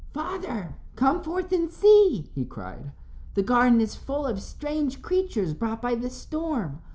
"Father, come forth and see," he cried. "The garden is full of strange creatures brought by the storm.